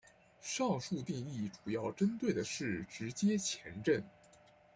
上述定义主要针对的是直接前震。